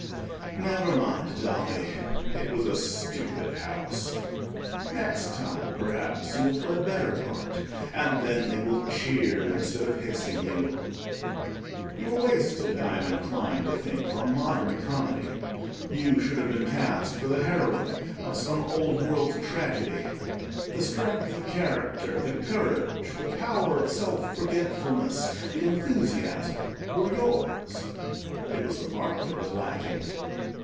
Never mind, Dolly; it was a stupid house. Next time, perhaps, you will play a better part; and then they will cheer, instead of hissing you. You were wasted, I am inclined to think, on modern comedy. You should have been cast for the heroine of some old world tragedy. The strength of character, the courage, the power of self forgetfulness, the enthusiasm were yours: it was the part that was lacking.